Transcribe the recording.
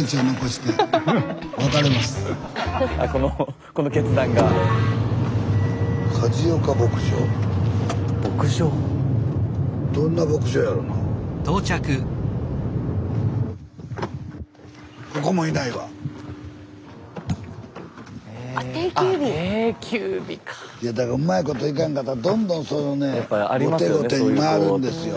スタジオいやだからうまいこといかんかったらどんどんそのねえ後手後手に回るんですよ。